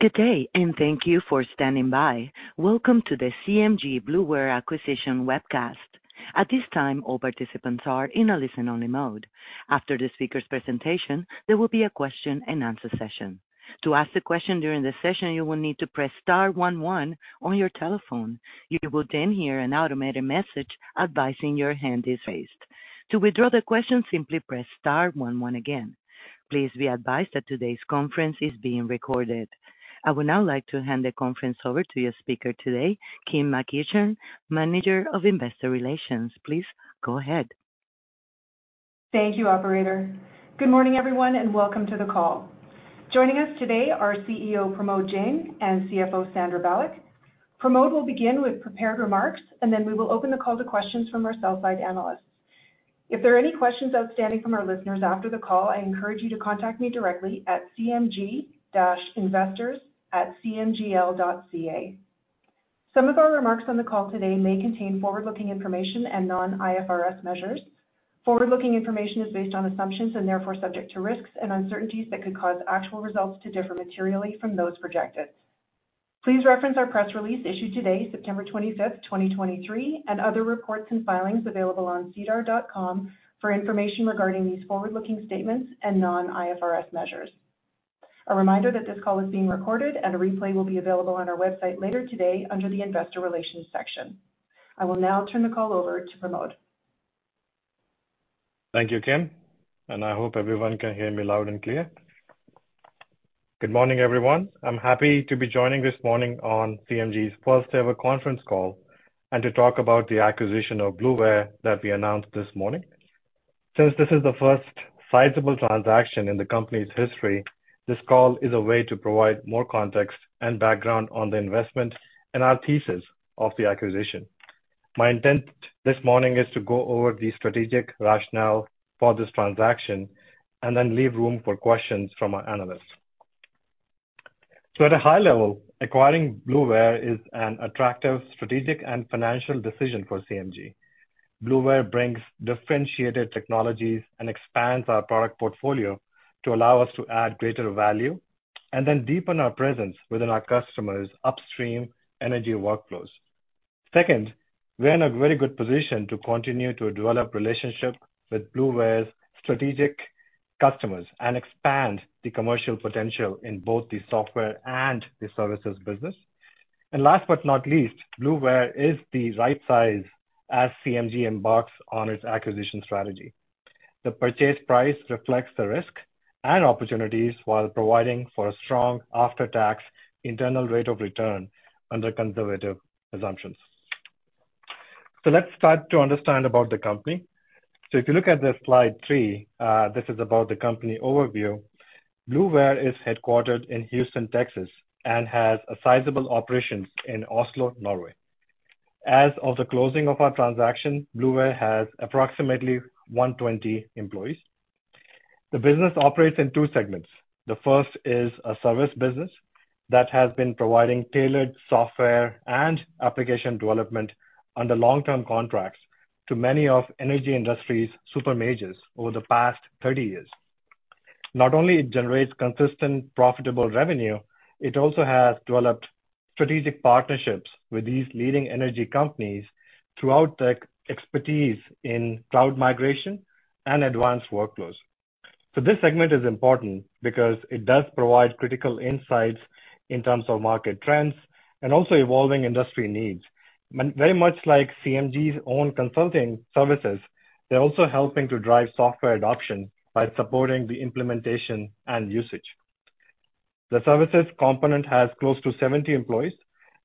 Good day, and thank you for standing by. Welcome to the CMG Bluware Acquisition webcast. At this time, all participants are in a listen-only mode. After the speaker's presentation, there will be a question-and-answer session. To ask the question during the session, you will need to press star one one on your telephone. You will then hear an automated message advising your hand is raised. To withdraw the question, simply press star one one again. Please be advised that today's conference is being recorded. I would now like to hand the conference over to your speaker today, Kim MacEachen, Manager of Investor Relations. Please go ahead. Thank you, operator. Good morning, everyone, and welcome to the call. Joining us today are CEO Pramod Jain and CFO Sandra Balic. Pramod will begin with prepared remarks, and then we will open the call to questions from our sell-side analysts. If there are any questions outstanding from our listeners after the call, I encourage you to contact me directly at cmg-investors@cmgl.ca. Some of our remarks on the call today may contain forward-looking information and non-IFRS measures. Forward-looking information is based on assumptions and therefore subject to risks and uncertainties that could cause actual results to differ materially from those projected. Please reference our press release issued today, September 25, 2023, and other reports and filings available on sedar.com for information regarding these forward-looking statements and non-IFRS measures. A reminder that this call is being recorded and a replay will be available on our website later today under the Investor Relations section. I will now turn the call over to Pramod. Thank you, Kim, and I hope everyone can hear me loud and clear. Good morning, everyone. I'm happy to be joining this morning on CMG's first-ever conference call and to talk about the acquisition of Bluware that we announced this morning. Since this is the first sizable transaction in the company's history, this call is a way to provide more context and background on the investment and our thesis of the acquisition. My intent this morning is to go over the strategic rationale for this transaction and then leave room for questions from our analysts. So at a high level, acquiring Bluware is an attractive, strategic, and financial decision for CMG. Bluware brings differentiated technologies and expands our product portfolio to allow us to add greater value and then deepen our presence within our customers' upstream energy workflows. Second, we are in a very good position to continue to develop relationships with Bluware's strategic customers and expand the commercial potential in both the software and the services business. And last but not least, Bluware is the right size as CMG embarks on its acquisition strategy. The purchase price reflects the risk and opportunities while providing for a strong after-tax internal rate of return under conservative assumptions. So let's start to understand about the company. So if you look at the slide three, this is about the company overview. Bluware is headquartered in Houston, Texas, and has a sizable operations in Oslo, Norway. As of the closing of our transaction, Bluware has approximately 120 employees. The business operates in two segments. The first is a service business that has been providing tailored software and application development under long-term contracts to many of energy industry's super majors over the past 30 years. Not only it generates consistent, profitable revenue, it also has developed strategic partnerships with these leading energy companies throughout the expertise in cloud migration and advanced workflows. So this segment is important because it does provide critical insights in terms of market trends and also evolving industry needs. Very much like CMG's own consulting services, they're also helping to drive software adoption by supporting the implementation and usage. The services component has close to 70 employees,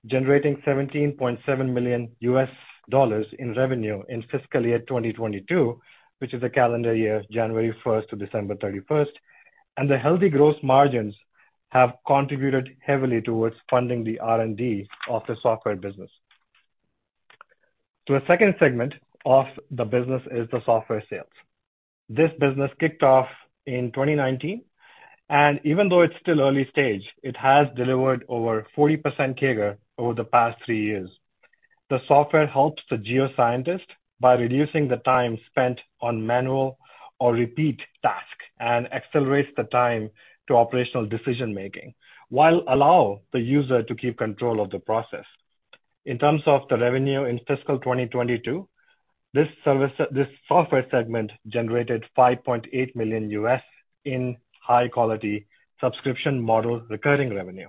generating $17.7 million in revenue in fiscal year 2022, which is the calendar year, January 1 to December 31, and the healthy gross margins have contributed heavily towards funding the R&D of the software business. So a second segment of the business is the software sales. This business kicked off in 2019, and even though it's still early stage, it has delivered over 40% CAGR over the past three years. The software helps the geoscientist by reducing the time spent on manual or repeat tasks and accelerates the time to operational decision-making, while allow the user to keep control of the process. In terms of the revenue in fiscal 2022, this service, this software segment generated $5.8 million in high quality subscription model recurring revenue.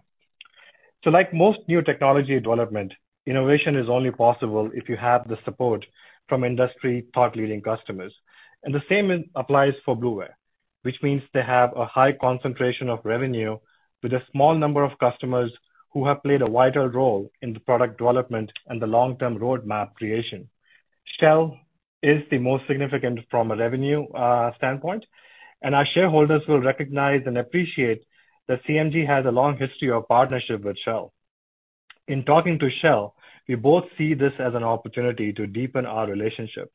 So like most new technology development, innovation is only possible if you have the support from industry thought-leading customers. The same applies for Bluware, which means they have a high concentration of revenue with a small number of customers who have played a vital role in the product development and the long-term roadmap creation. Shell is the most significant from a revenue standpoint, and our shareholders will recognize and appreciate that CMG has a long history of partnership with Shell. In talking to Shell, we both see this as an opportunity to deepen our relationship.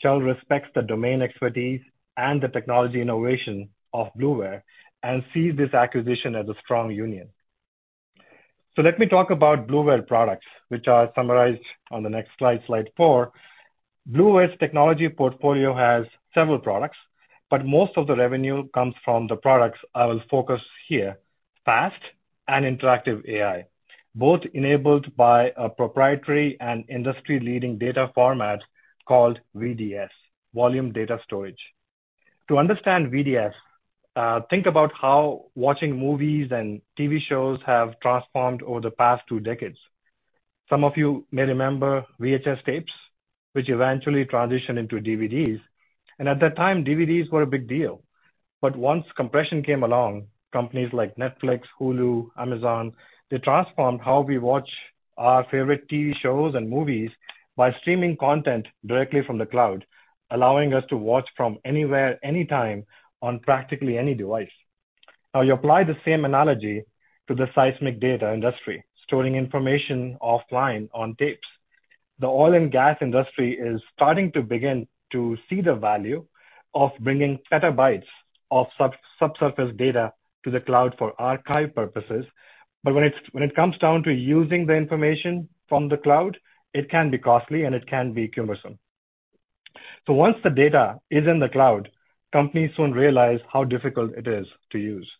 Shell respects the domain expertise and the technology innovation of Bluware and sees this acquisition as a strong union. Let me talk about Bluware products, which are summarized on the next slide, slide four. Bluware's technology portfolio has several products, but most of the revenue comes from the products I will focus here, FAST and InteractivAI, both enabled by a proprietary and industry-leading data format called VDS, Volume Data Store. To understand VDS, think about how watching movies and TV shows have transformed over the past two decades. Some of you may remember VHS tapes, which eventually transitioned into DVDs, and at that time, DVDs were a big deal. But once compression came along, companies like Netflix, Hulu, Amazon, they transformed how we watch our favorite TV shows and movies by streaming content directly from the cloud, allowing us to watch from anywhere, anytime, on practically any device. Now, you apply the same analogy to the seismic data industry, storing information offline on tapes. The oil and gas industry is starting to begin to see the value of bringing petabytes of sub-subsurface data to the cloud for archive purposes. But when it comes down to using the information from the cloud, it can be costly, and it can be cumbersome. So once the data is in the cloud, companies soon realize how difficult it is to use.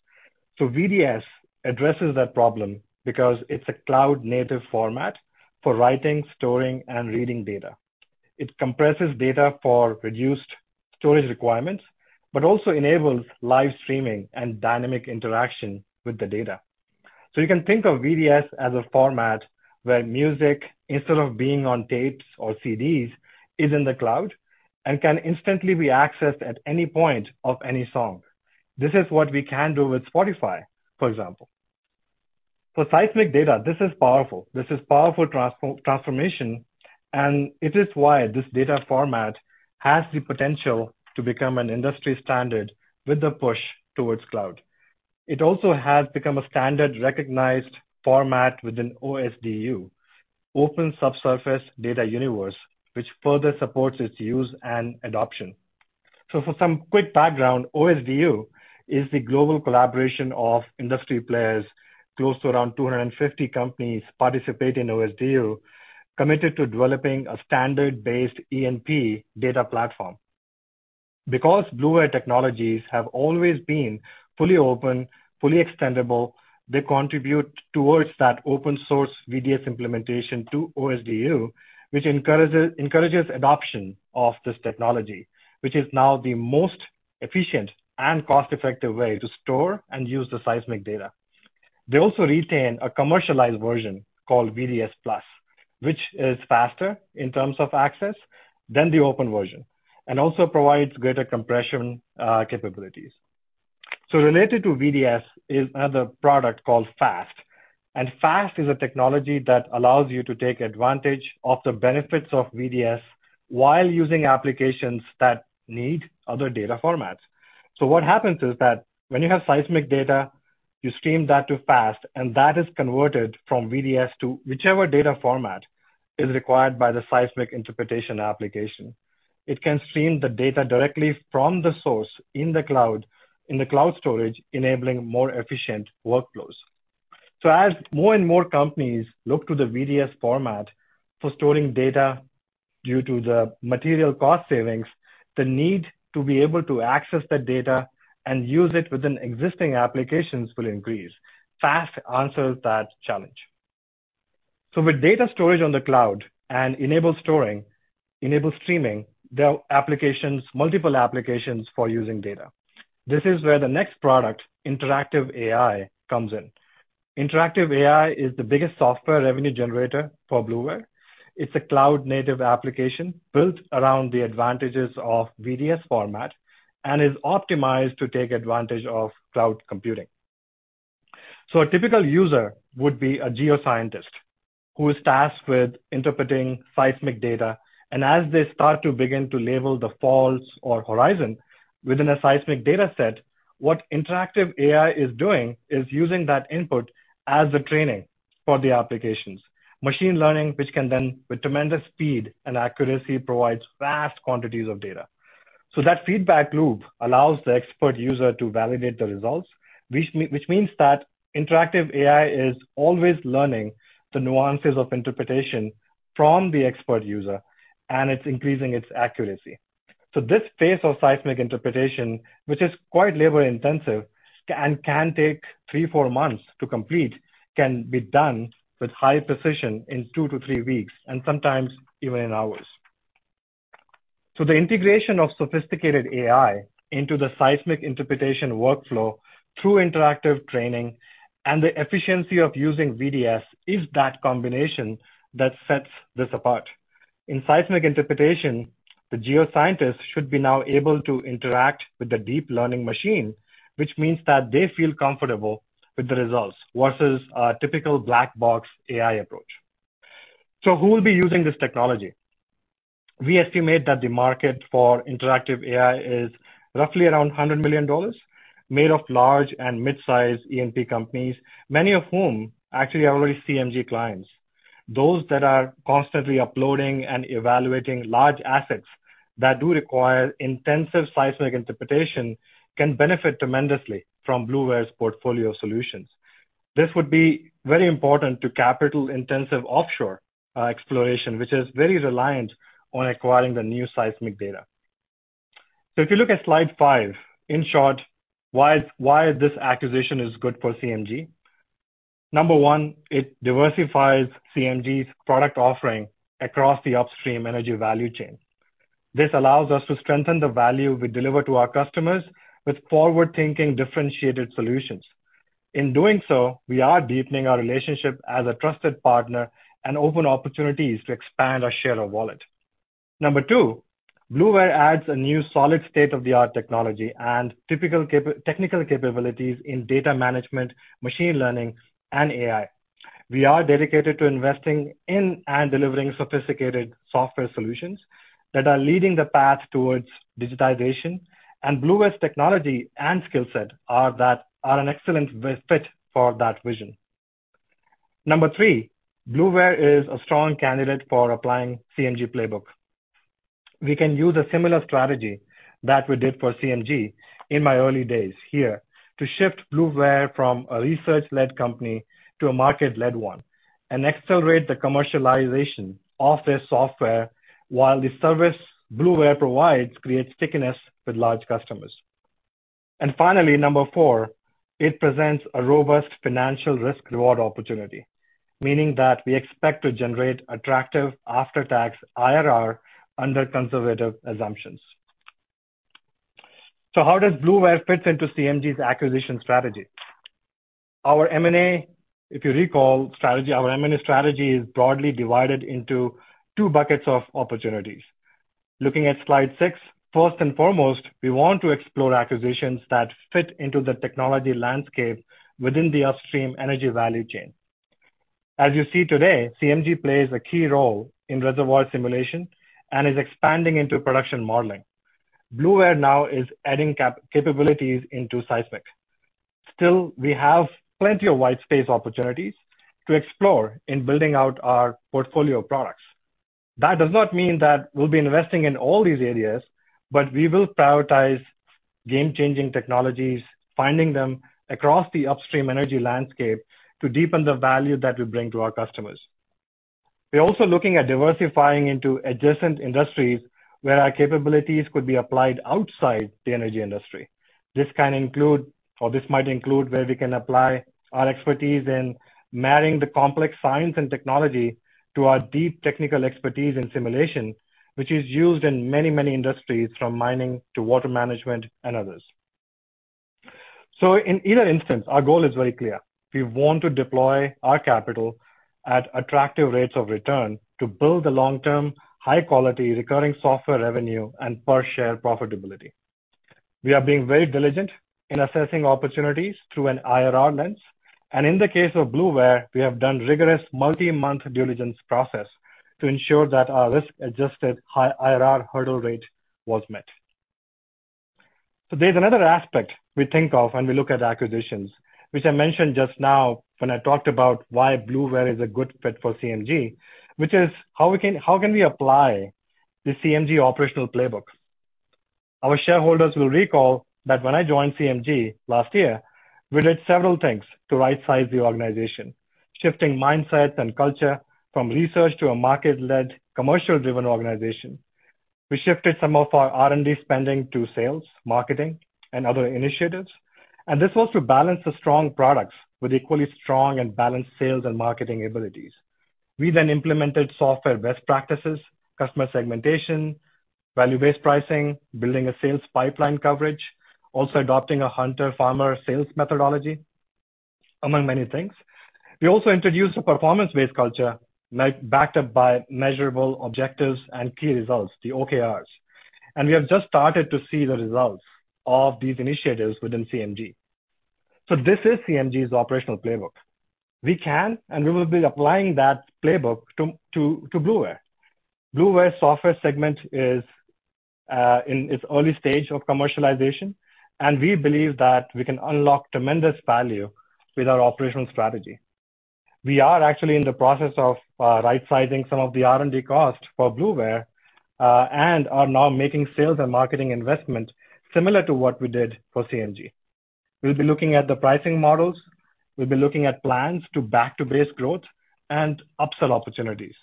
So VDS addresses that problem because it's a cloud-native format for writing, storing, and reading data. It compresses data for reduced storage requirements, but also enables live streaming and dynamic interaction with the data. So you can think of VDS as a format where music, instead of being on tapes or CDs, is in the cloud and can instantly be accessed at any point of any song. This is what we can do with Spotify, for example. For seismic data, this is powerful. This is powerful transformation, and it is why this data format has the potential to become an industry standard with the push towards cloud. It also has become a standard recognized format within OSDU, Open Subsurface Data Universe, which further supports its use and adoption. So for some quick background, OSDU is the global collaboration of industry players. Close to around 250 companies participate in OSDU, committed to developing a standard-based E&P data platform. Because Bluware technologies have always been fully open, fully extendable, they contribute towards that open source VDS implementation to OSDU, which encourages adoption of this technology, which is now the most efficient and cost-effective way to store and use the seismic data. They also retain a commercialized version called VDS+, which is faster in terms of access than the open version and also provides greater compression capabilities. So related to VDS is another product called FAST, and FAST is a technology that allows you to take advantage of the benefits of VDS while using applications that need other data formats. So what happens is that when you have seismic data, you stream that to FAST, and that is converted from VDS to whichever data format is required by the seismic interpretation application. It can stream the data directly from the source in the cloud, in the cloud storage, enabling more efficient workflows. So as more and more companies look to the VDS format for storing data due to the material cost savings, the need to be able to access that data and use it within existing applications will increase. FAST answers that challenge. So with data storage on the cloud and enabled storing, enabled streaming, there are applications, multiple applications for using data. This is where the next product, InteractivAI, comes in. InteractivAI is the biggest software revenue generator for Bluware. It's a cloud-native application built around the advantages of VDS format and is optimized to take advantage of cloud computing. So a typical user would be a geoscientist who is tasked with interpreting seismic data, and as they start to begin to label the faults or horizon within a seismic data set, what InteractivAI is doing is using that input as the training for the application's machine learning, which can then, with tremendous speed and accuracy, provide vast quantities of data. So that feedback loop allows the expert user to validate the results, which means that InteractivAI is always learning the nuances of interpretation from the expert user, and it's increasing its accuracy. So this phase of seismic interpretation, which is quite labor-intensive, can take three to four months to complete, can be done with high precision in two to three weeks, and sometimes even in hours. So the integration of sophisticated AI into the seismic interpretation workflow through interactive training and the efficiency of using VDS is that combination that sets this apart. In seismic interpretation, the geoscientists should be now able to interact with the deep learning machine, which means that they feel comfortable with the results versus a typical black box AI approach. So who will be using this technology? We estimate that the market for InteractivAI is roughly around $100 million, made of large and mid-size E&P companies, many of whom actually are already CMG clients. Those that are constantly uploading and evaluating large assets that do require intensive seismic interpretation, can benefit tremendously from Bluware's portfolio of solutions. This would be very important to capital-intensive offshore exploration, which is very reliant on acquiring the new seismic data. So if you look at slide five, in short, why, why this acquisition is good for CMG? Number one, it diversifies CMG's product offering across the upstream energy value chain. This allows us to strengthen the value we deliver to our customers with forward-thinking, differentiated solutions. In doing so, we are deepening our relationship as a trusted partner and open opportunities to expand our share of wallet. Number two, Bluware adds a new solid state-of-the-art technology and typical technical capabilities in data management, machine learning, and AI. We are dedicated to investing in and delivering sophisticated software solutions that are leading the path towards digitization, and Bluware's technology and skill set are an excellent fit for that vision. Number three, Bluware is a strong candidate for applying CMG playbook. We can use a similar strategy that we did for CMG in my early days here, to shift Bluware from a research-led company to a market-led one, and accelerate the commercialization of their software, while the service Bluware provides creates stickiness with large customers. And finally, number four, it presents a robust financial risk-reward opportunity, meaning that we expect to generate attractive after-tax IRR under conservative assumptions. So how does Bluware fits into CMG's acquisition strategy? Our M&A, if you recall, strategy, our M&A strategy is broadly divided into two buckets of opportunities. Looking at slide six, first and foremost, we want to explore acquisitions that fit into the technology landscape within the upstream energy value chain. As you see today, CMG plays a key role in reservoir simulation and is expanding into production modeling. Bluware now is adding capabilities into seismic. Still, we have plenty of white space opportunities to explore in building out our portfolio of products. That does not mean that we'll be investing in all these areas, but we will prioritize game-changing technologies, finding them across the upstream energy landscape, to deepen the value that we bring to our customers. We're also looking at diversifying into adjacent industries, where our capabilities could be applied outside the energy industry. This can include, or this might include, where we can apply our expertise in marrying the complex science and technology to our deep technical expertise in simulation, which is used in many, many industries, from mining to water management and others. So in either instance, our goal is very clear. We want to deploy our capital at attractive rates of return to build a long-term, high-quality, recurring software revenue and per-share profitability. We are being very diligent in assessing opportunities through an IRR lens, and in the case of Bluware, we have done rigorous multi-month diligence process to ensure that our risk-adjusted high IRR hurdle rate was met. So there's another aspect we think of when we look at acquisitions, which I mentioned just now when I talked about why Bluware is a good fit for CMG, which is, how can we apply the CMG operational playbooks? Our shareholders will recall that when I joined CMG last year, we did several things to rightsize the organization, shifting mindsets and culture from research to a market-led, commercial-driven organization. We shifted some of our R&D spending to sales, marketing, and other initiatives, and this was to balance the strong products with equally strong and balanced sales and marketing abilities. We then implemented software best practices, customer segmentation, value-based pricing, building a sales pipeline coverage, also adopting a hunter-farmer sales methodology, among many things. We also introduced a performance-based culture, like, backed up by measurable objectives and key results, the OKRs. We have just started to see the results of these initiatives within CMG. This is CMG's operational playbook. We can, and we will be applying that playbook to Bluware. Bluware software segment is in its early stage of commercialization, and we believe that we can unlock tremendous value with our operational strategy. We are actually in the process of rightsizing some of the R&D costs for Bluware and are now making sales and marketing investment similar to what we did for CMG. We'll be looking at the pricing models, we'll be looking at plans to back to base growth and upsell opportunities.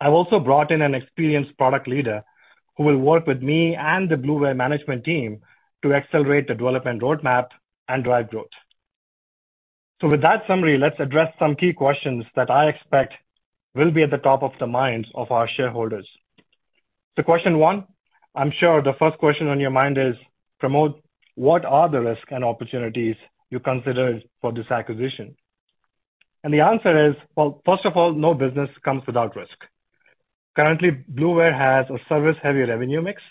I've also brought in an experienced product leader, who will work with me and the Bluware management team to accelerate the development roadmap and drive growth. So with that summary, let's address some key questions that I expect will be at the top of the minds of our shareholders. So question one, I'm sure the first question on your mind is, Pramod, what are the risks and opportunities you considered for this acquisition? The answer is, well, first of all, no business comes without risk. Currently, Bluware has a service-heavy revenue mix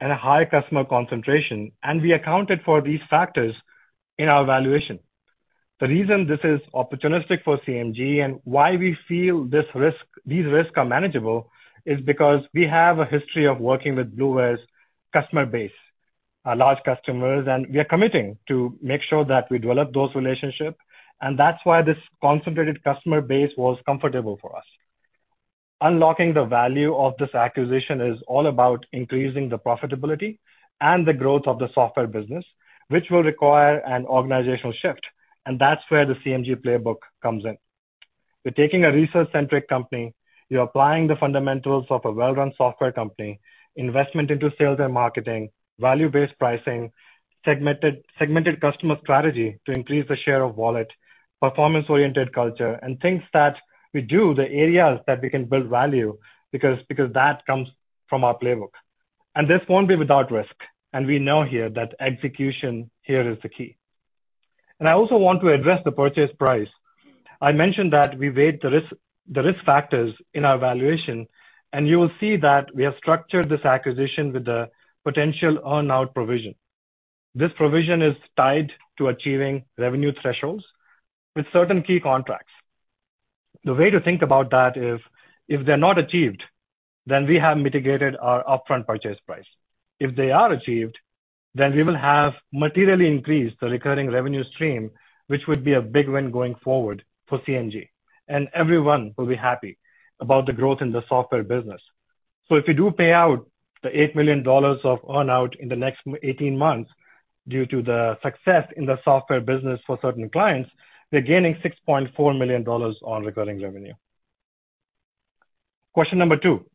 and a high customer concentration, and we accounted for these factors in our valuation. The reason this is opportunistic for CMG, and why we feel this risk, these risks are manageable, is because we have a history of working with Bluware's customer base, our large customers, and we are committing to make sure that we develop those relationships, and that's why this concentrated customer base was comfortable for us. Unlocking the value of this acquisition is all about increasing the profitability and the growth of the software business, which will require an organizational shift, and that's where the CMG playbook comes in. We're taking a research-centric company, we're applying the fundamentals of a well-run software company, investment into sales and marketing, value-based pricing, segmented, segmented customer strategy to increase the share of wallet, performance-oriented culture, and things that we do, the areas that we can build value, because, because that comes from our playbook. This won't be without risk, and we know here that execution here is the key. I also want to address the purchase price. I mentioned that we weighed the risk, the risk factors in our valuation, and you will see that we have structured this acquisition with a potential earn-out provision. This provision is tied to achieving revenue thresholds with certain key contracts. The way to think about that is, if they're not achieved, then we have mitigated our upfront purchase price. If they are achieved, then we will have materially increased the recurring revenue stream, which would be a big win going forward for CMG, and everyone will be happy about the growth in the software business. So if we do pay out the $8 million of earn-out in the next 18 months due to the success in the software business for certain clients, we're gaining $6.4 million on recurring revenue. Question number two: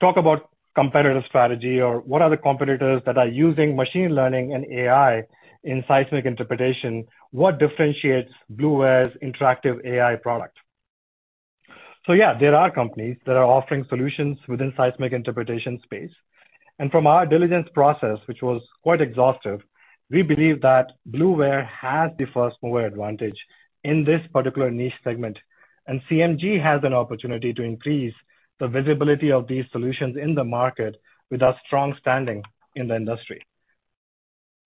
Talk about competitive strategy, or what are the competitors that are using machine learning and AI in seismic interpretation? What differentiates Bluware's interactive AI product? So yeah, there are companies that are offering solutions within seismic interpretation space, and from our diligence process, which was quite exhaustive, we believe that Bluware has the first-mover advantage in this particular niche segment, and CMG has an opportunity to increase the visibility of these solutions in the market with our strong standing in the industry.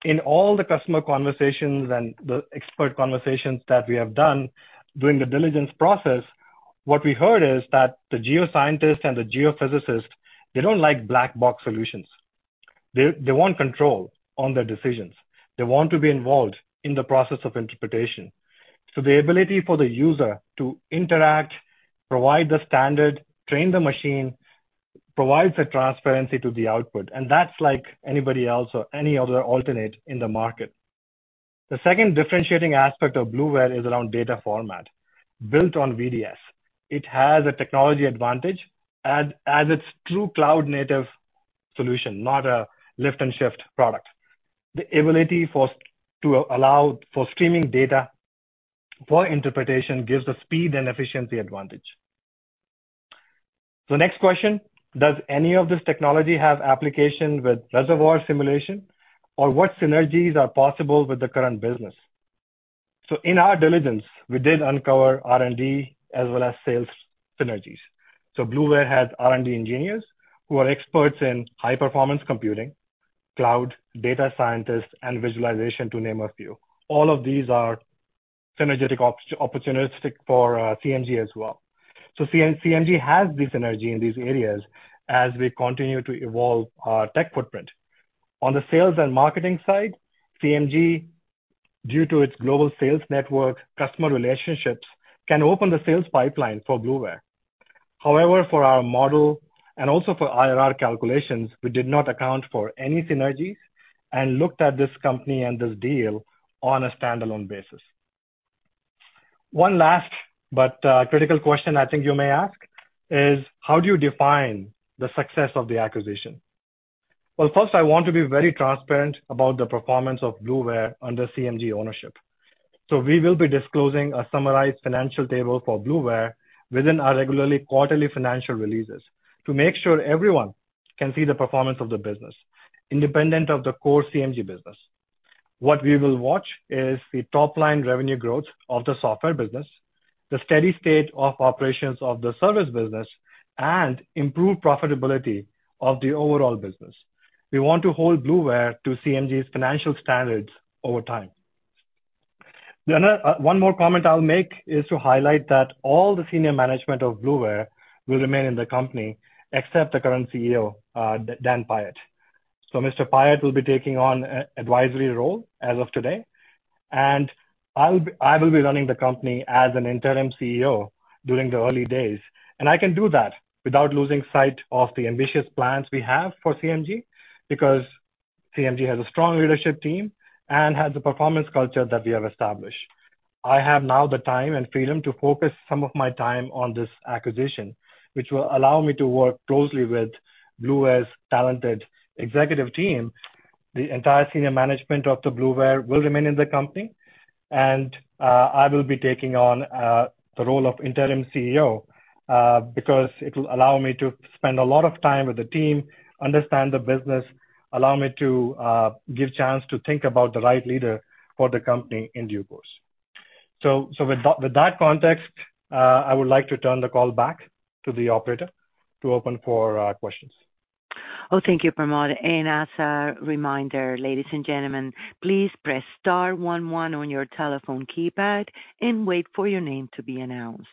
In all the customer conversations and the expert conversations that we have done during the diligence process, what we heard is that the geoscientists and the geophysicists, they don't like black box solutions. They, they want control on their decisions. They want to be involved in the process of interpretation. So the ability for the user to interact, provide the standard, train the machine, provides the transparency to the output, and that's like anybody else or any other alternate in the market. The second differentiating aspect of Bluware is around data format. Built on VDS, it has a technology advantage as its true cloud-native solution, not a lift-and-shift product. The ability to allow for streaming data for interpretation gives the speed and efficiency advantage. The next question: Does any of this technology have application with reservoir simulation, or what synergies are possible with the current business? So in our diligence, we did uncover R&D as well as sales synergies. So Bluware has R&D engineers who are experts in high-performance computing, cloud, data scientists, and visualization, to name a few. All of these are synergistic opportunities for CMG as well. So CMG has this synergy in these areas as we continue to evolve our tech footprint. On the sales and marketing side, CMG, due to its global sales network, customer relationships, can open the sales pipeline for Bluware. However, for our model, and also for IRR calculations, we did not account for any synergies and looked at this company and this deal on a standalone basis. One last but, critical question I think you may ask is: How do you define the success of the acquisition? Well, first, I want to be very transparent about the performance of Bluware under CMG ownership. So we will be disclosing a summarized financial table for Bluware within our regularly quarterly financial releases to make sure everyone can see the performance of the business, independent of the core CMG business. What we will watch is the top-line revenue growth of the software business, the steady state of operations of the service business, and improved profitability of the overall business. We want to hold Bluware to CMG's financial standards over time. One more comment I'll make is to highlight that all the senior management of Bluware will remain in the company, except the current CEO, Dan Piette. So Mr. Piette will be taking on an advisory role as of today, and I will be running the company as an interim CEO during the early days, and I can do that without losing sight of the ambitious plans we have for CMG, because CMG has a strong leadership team and has a performance culture that we have established. I have now the time and freedom to focus some of my time on this acquisition, which will allow me to work closely with Bluware's talented executive team. The entire senior management of the Bluware will remain in the company, and I will be taking on the role of interim CEO because it will allow me to spend a lot of time with the team, understand the business, allow me to give chance to think about the right leader for the company in due course. So with that context, I would like to turn the call back to the operator to open for questions. Well, thank you, Pramod. As a reminder, ladies and gentlemen, please press star one one on your telephone keypad and wait for your name to be announced.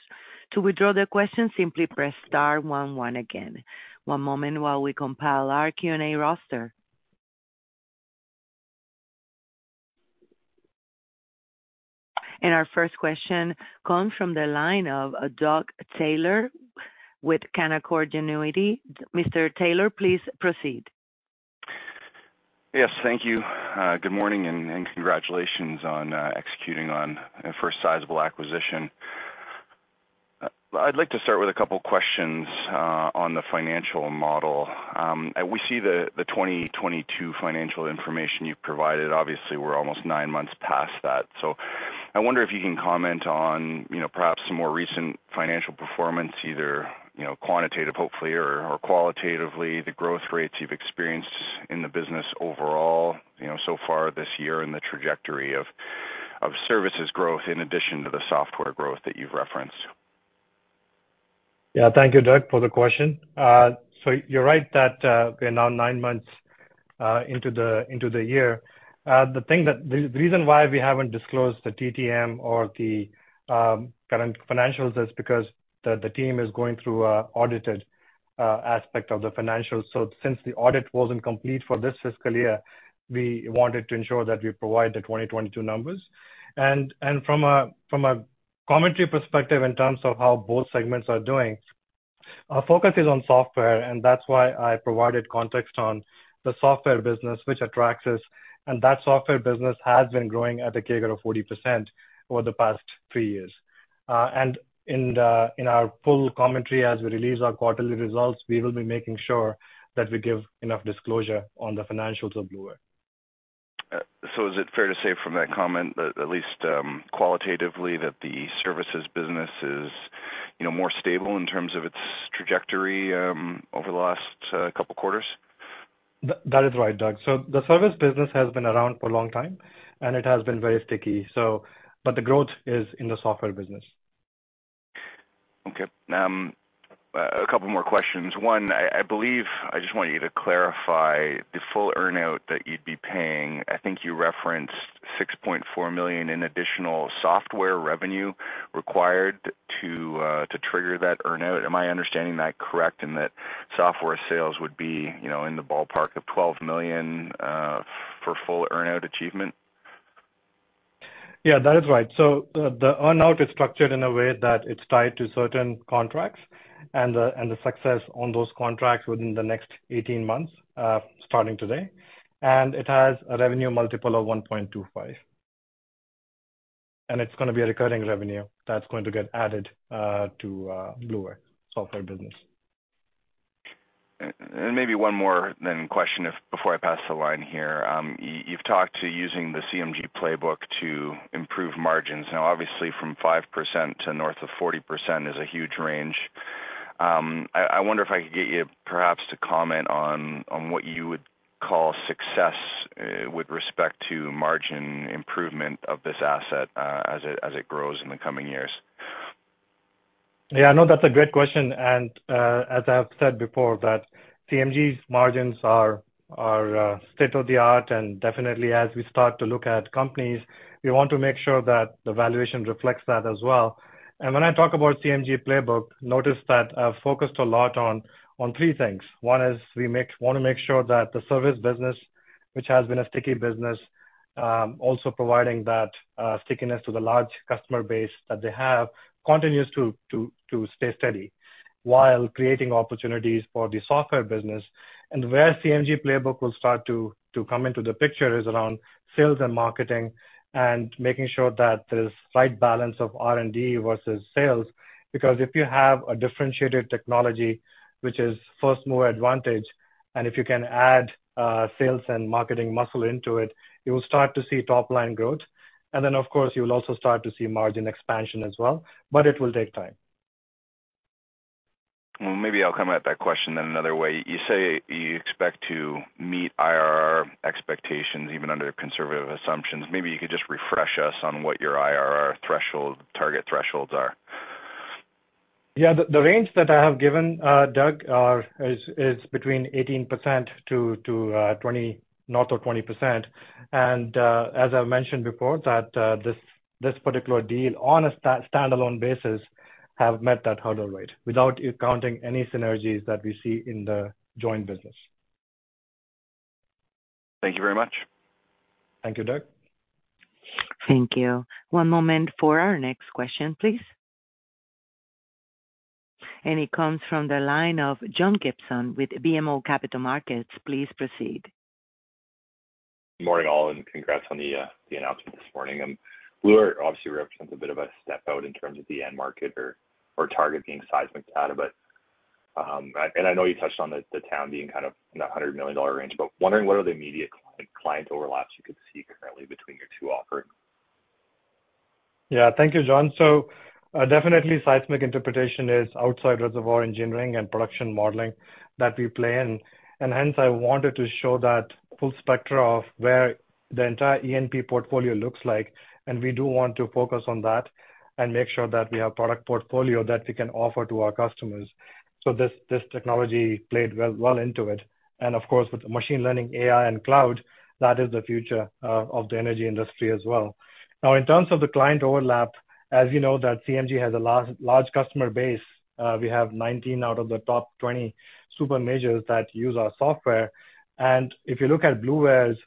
To withdraw the question, simply press star one one again. One moment while we compile our Q&A roster. Our first question comes from the line of Doug Taylor with Canaccord Genuity. Mr. Taylor, please proceed. Yes, thank you. Good morning, and congratulations on executing on a first sizable acquisition. I'd like to start with a couple questions on the financial model. And we see the 2022 financial information you've provided. Obviously, we're almost nine months past that. So I wonder if you can comment on, you know, perhaps some more recent financial performance, either, you know, quantitative, hopefully, or qualitatively, the growth rates you've experienced in the business overall, you know, so far this year, and the trajectory of services growth in addition to the software growth that you've referenced. Yeah. Thank you, Doug, for the question. So you're right that we're now nine months into the year. The reason why we haven't disclosed the TTM or the current financials is because the team is going through an audited aspect of the financials. So since the audit wasn't complete for this fiscal year, we wanted to ensure that we provide the 2022 numbers. And from a commentary perspective, in terms of how both segments are doing, our focus is on software, and that's why I provided context on the software business, which attracts us. And that software business has been growing at a CAGR of 40% over the past three years. And in our full commentary, as we release our quarterly results, we will be making sure that we give enough disclosure on the financials of Bluware. Is it fair to say from that comment that at least, qualitatively, that the services business is, you know, more stable in terms of its trajectory, over the last couple quarters? That is right, Doug. So the service business has been around for a long time, and it has been very sticky, so, but the growth is in the software business. Okay. A couple more questions. One, I believe I just want you to clarify the full earn-out that you'd be paying. I think you referenced $6.4 million in additional software revenue required to trigger that earn-out. Am I understanding that correct, in that software sales would be, you know, in the ballpark of $12 million for full earn-out achievement? Yeah, that is right. So the earn-out is structured in a way that it's tied to certain contracts and the success on those contracts within the next 18 months, starting today. And it has a revenue multiple of 1.25. And it's gonna be a recurring revenue that's going to get added to Bluware software business. And maybe one more then question if before I pass the line here. You've talked to using the CMG playbook to improve margins. Now, obviously, from 5% to north of 40% is a huge range. I wonder if I could get you perhaps to comment on what you would call success with respect to margin improvement of this asset as it grows in the coming years. Yeah, no, that's a great question, and, as I have said before, that CMG's margins are state-of-the-art, and definitely, as we start to look at companies, we want to make sure that the valuation reflects that as well. And when I talk about CMG playbook, notice that I've focused a lot on three things. One is we wanna make sure that the service business, which has been a sticky business, also providing that stickiness to the large customer base that they have, continues to stay steady while creating opportunities for the software business. And where CMG playbook will start to come into the picture is around sales and marketing and making sure that there's right balance of R&D versus sales. Because if you have a differentiated technology, which is first-mover advantage, and if you can add, sales and marketing muscle into it, you will start to see top line growth. Then, of course, you will also start to see margin expansion as well, but it will take time. Well, maybe I'll come at that question in another way. You say you expect to meet IRR expectations, even under conservative assumptions. Maybe you could just refresh us on what your IRR threshold, target thresholds are. Yeah. The range that I have given, Doug, is between 18%-20% -- north of 20%. As I've mentioned before, that this particular deal, on a standalone basis, have met that hurdle rate without you counting any synergies that we see in the joint business. Thank you very much. Thank you, Doug. Thank you. One moment for our next question, please. It comes from the line of John Gibson with BMO Capital Markets. Please proceed. Good morning, all, and congrats on the announcement this morning. Bluware obviously represents a bit of a step out in terms of the end market or target being seismic data. But, and I know you touched on the TAM being kind of in the $100 million range, but wondering, what are the immediate client overlaps you could see currently between your two offerings?... Yeah. Thank you, John. So, definitely seismic interpretation is outside reservoir engineering and production modeling that we play in. And hence, I wanted to show that full spectra of where the entire E&P portfolio looks like, and we do want to focus on that and make sure that we have product portfolio that we can offer to our customers. So this, this technology played well, well into it. And of course, with machine learning, AI, and cloud, that is the future, of the energy industry as well. Now, in terms of the client overlap, as you know, that CMG has a large, large customer base. We have 19 out of the top 20 super majors that use our software. If you look at Bluware's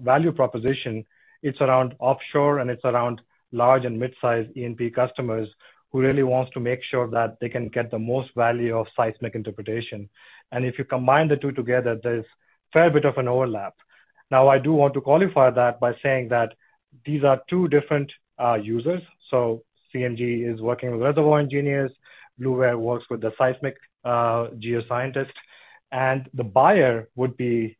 value proposition, it's around offshore and it's around large and mid-sized E&P customers who really wants to make sure that they can get the most value of seismic interpretation. If you combine the two together, there's fair bit of an overlap. Now, I do want to qualify that by saying that these are two different users. CMG is working with reservoir engineers, Bluware works with the seismic geoscientist, and the buyer would be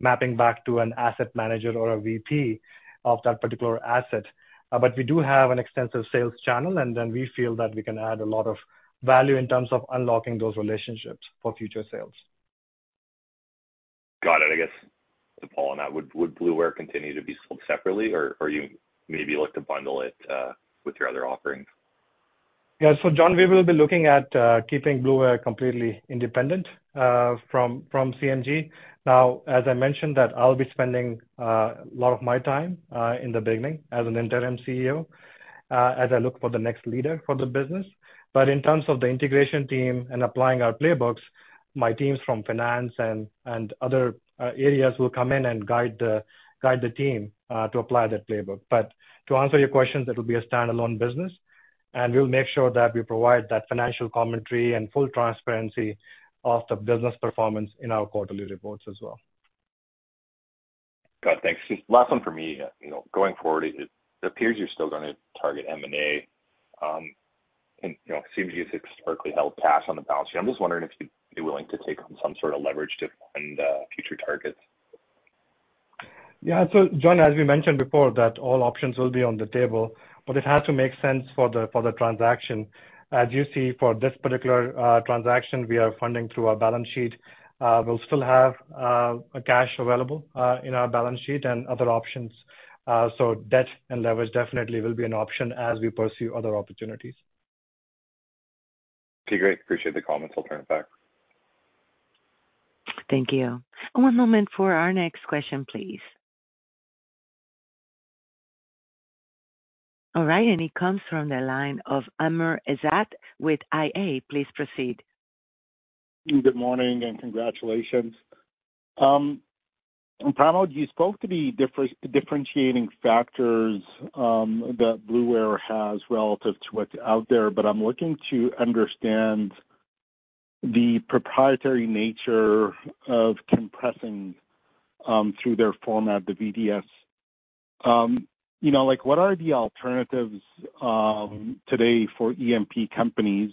mapping back to an asset manager or a VP of that particular asset. But we do have an extensive sales channel, and then we feel that we can add a lot of value in terms of unlocking those relationships for future sales. Got it. I guess, to follow on that, would Bluware continue to be sold separately, or you maybe look to bundle it with your other offerings? Yeah. So John, we will be looking at keeping Bluware completely independent from CMG. Now, as I mentioned, I'll be spending a lot of my time in the beginning as an interim CEO as I look for the next leader for the business. But in terms of the integration team and applying our playbooks, my teams from finance and other areas will come in and guide the team to apply that playbook. But to answer your question, that will be a standalone business, and we'll make sure that we provide that financial commentary and full transparency of the business performance in our quarterly reports as well. Got it. Thanks. Last one for me. You know, going forward, it appears you're still gonna target M&A. You know, CMG has historically held cash on the balance sheet. I'm just wondering if you'd be willing to take on some sort of leverage to fund future targets? Yeah. So John, as we mentioned before, that all options will be on the table, but it has to make sense for the, for the transaction. As you see, for this particular, transaction, we are funding through our balance sheet. We'll still have, cash available, in our balance sheet and other options. So debt and leverage definitely will be an option as we pursue other opportunities. Okay, great. Appreciate the comments. I'll turn it back. Thank you. One moment for our next question, please. All right, and it comes from the line of Amr Ezzat with iA. Please proceed. Good morning, and congratulations. Pramod, you spoke to the differentiating factors that Bluware has relative to what's out there, but I'm looking to understand the proprietary nature of compressing through their format, the VDS. You know, like, what are the alternatives today for E&P companies?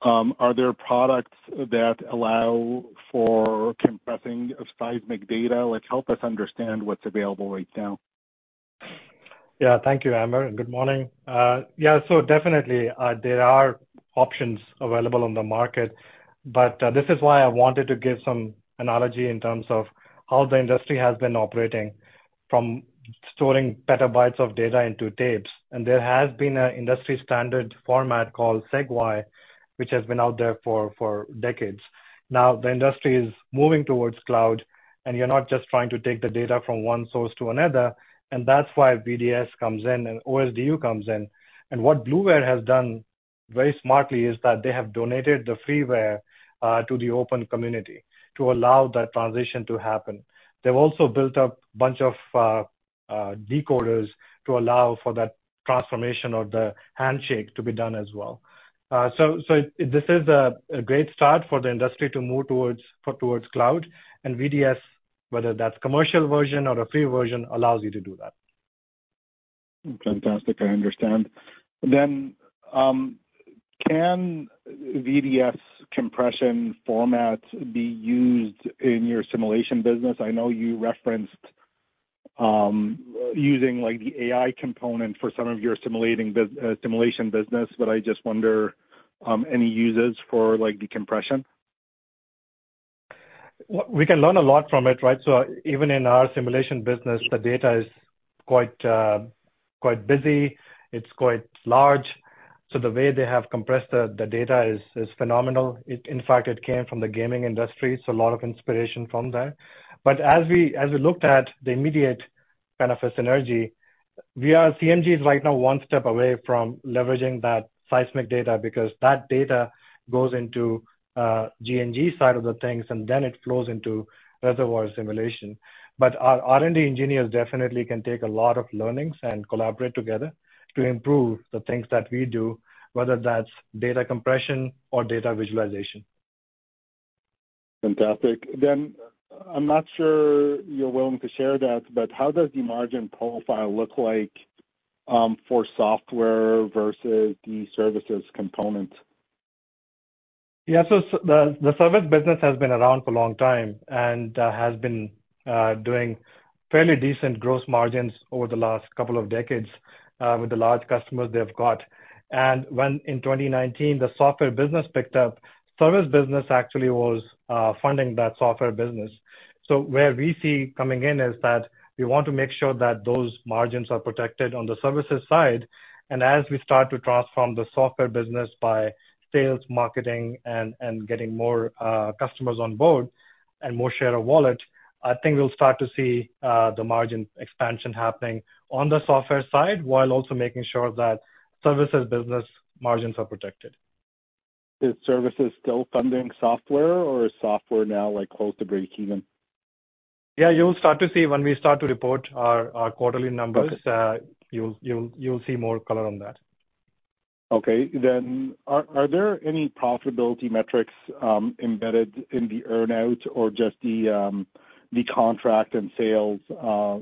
Are there products that allow for compressing of seismic data? Like, help us understand what's available right now. Yeah. Thank you, Amir, and good morning. Yeah, so definitely, there are options available on the market, but this is why I wanted to give some analogy in terms of how the industry has been operating from storing petabytes of data into tapes. And there has been an industry standard format called SEG-Y, which has been out there for decades. Now, the industry is moving towards cloud, and you're not just trying to take the data from one source to another, and that's why VDS comes in and OSDU comes in. And what Bluware has done very smartly is that they have donated the freeware to the open community to allow that transition to happen. They've also built up a bunch of decoders to allow for that transformation or the handshake to be done as well. So this is a great start for the industry to move towards cloud, and VDS, whether that's commercial version or a free version, allows you to do that. Fantastic. I understand. Then, can VDS compression format be used in your simulation business? I know you referenced, using, like, the AI component for some of your simulation business, but I just wonder, any uses for, like, decompression? We can learn a lot from it, right? So even in our simulation business, the data is quite, quite large. So the way they have compressed the data is phenomenal. In fact, it came from the gaming industry, so a lot of inspiration from there. But as we looked at the immediate kind of a synergy, CMG is right now one step away from leveraging that seismic data, because that data goes into the G&G side of the things, and then it flows into reservoir simulation. But our R&D engineers definitely can take a lot of learnings and collaborate together to improve the things that we do, whether that's data compression or data visualization. Fantastic. I'm not sure you're willing to share that, but how does the margin profile look like for software versus the services component?... Yeah, so the service business has been around for a long time and has been doing fairly decent gross margins over the last couple of decades with the large customers they've got. And when in 2019, the software business picked up, service business actually was funding that software business. So where we see coming in is that we want to make sure that those margins are protected on the services side. And as we start to transform the software business by sales, marketing, and getting more customers on board and more share of wallet, I think we'll start to see the margin expansion happening on the software side, while also making sure that services business margins are protected. Is services still funding software or is software now, like, close to breakeven? Yeah, you'll start to see when we start to report our, our quarterly numbers- Okay. You'll see more color on that. Okay. Then are there any profitability metrics embedded in the earn-out or just the contract and sales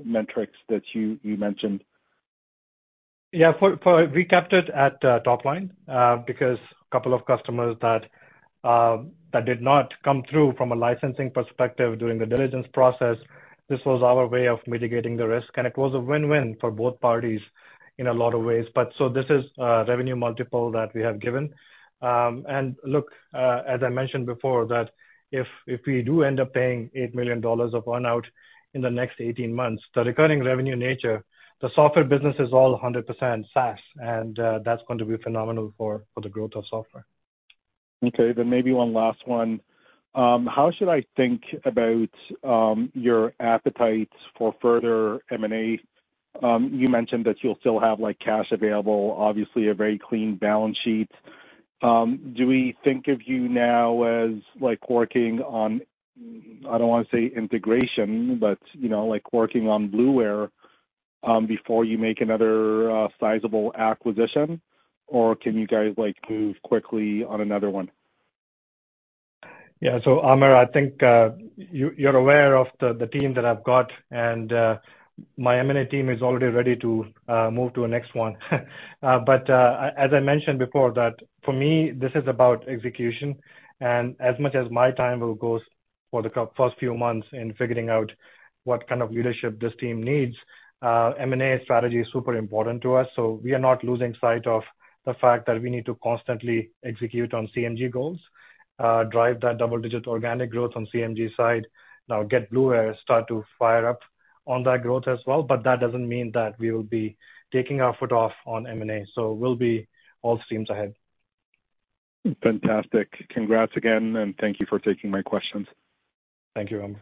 metrics that you mentioned? Yeah, for we kept it at top line, because a couple of customers that that did not come through from a licensing perspective during the diligence process, this was our way of mitigating the risk, and it was a win-win for both parties in a lot of ways. But so this is a revenue multiple that we have given. And look, as I mentioned before, that if we do end up paying $8 million of earn-out in the next 18 months, the recurring revenue nature, the software business is all 100% SaaS, and that's going to be phenomenal for the growth of software. Okay. Then maybe one last one. How should I think about your appetite for further M&A? You mentioned that you'll still have, like, cash available, obviously a very clean balance sheet. Do we think of you now as, like, working on, I don't want to say integration, but, you know, like working on Bluware, before you make another sizable acquisition, or can you guys, like, move quickly on another one? Yeah. So, Amir, I think, you're aware of the team that I've got, and my M&A team is already ready to move to a next one. But, as I mentioned before, that for me, this is about execution. And as much as my time will go for the first few months in figuring out what kind of leadership this team needs, M&A strategy is super important to us. So we are not losing sight of the fact that we need to constantly execute on CMG goals, drive that double-digit organic growth on CMG side. Now, get Bluware, start to fire up on that growth as well, but that doesn't mean that we will be taking our foot off on M&A, so we'll be full steam ahead. Fantastic. Congrats again, and thank you for taking my questions. Thank you, Amir.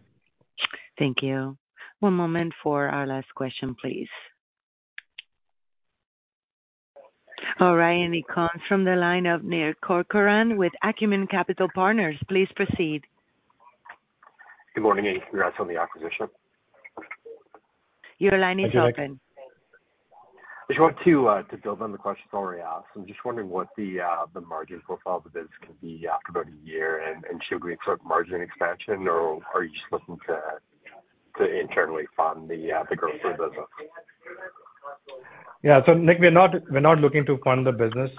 Thank you. One moment for our last question, please. All right, and it comes from the line of Nick Corcoran with Acumen Capital Partners. Please proceed. Good morning, and congrats on the acquisition. Your line is open. Thank you, Nick. I just want to build on the question already asked. I'm just wondering what the margins profile of the business can be after about a year, and should we expect margin expansion, or are you just looking to internally fund the growth of the business? Yeah. So, Nick, we're not, we're not looking to fund the business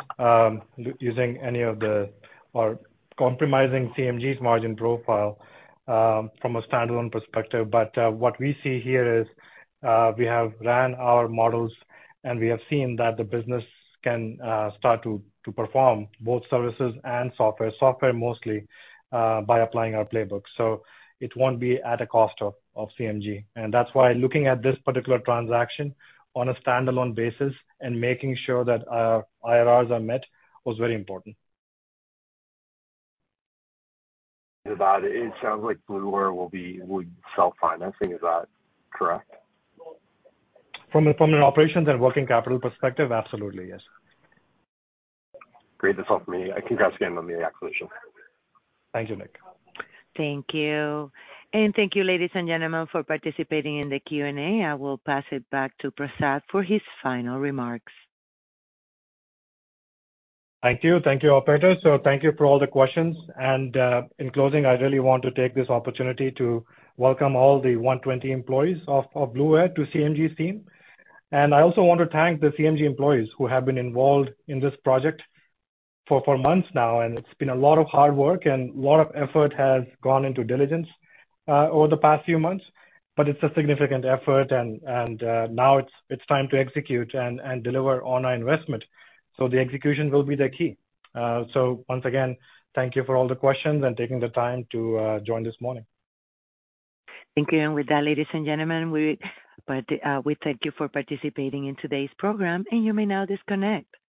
using any of the... Or compromising CMG's margin profile from a standalone perspective. But what we see here is, we have ran our models, and we have seen that the business can start to perform both services and software. Software mostly by applying our playbook. So it won't be at a cost of CMG. And that's why looking at this particular transaction on a standalone basis and making sure that our IRRs are met was very important. About it, it sounds like Bluware will be, will self-financing. Is that correct? From an operations and working capital perspective, absolutely, yes. Great. That's all for me. Congrats again on the acquisition. Thank you, Nick. Thank you. Thank you, ladies and gentlemen, for participating in the Q&A. I will pass it back to Pramod for his final remarks. Thank you. Thank you, operator. So thank you for all the questions. And in closing, I really want to take this opportunity to welcome all the 120 employees of Bluware to CMG team. And I also want to thank the CMG employees who have been involved in this project for months now, and it's been a lot of hard work and a lot of effort has gone into diligence over the past few months. But it's a significant effort, and now it's time to execute and deliver on our investment. So the execution will be the key. So once again, thank you for all the questions and taking the time to join this morning. Thank you. And with that, ladies and gentlemen, we thank you for participating in today's program, and you may now disconnect.